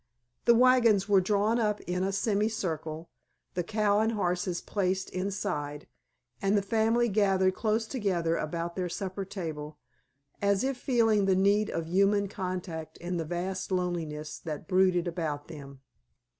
The wagons were drawn up in a semicircle, the cow and horses placed inside, and the family gathered close together about their supper table, as if feeling the need of human contact in the vast loneliness that brooded about them.